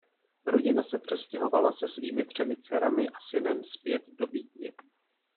Rodina se přestěhovala se svými třemi dcerami a synem zpět do Vídně.